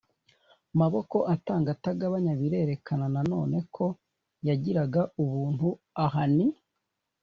maboko atanga atagabanya: birerekana na none ko yagiraga ubuntu aha ni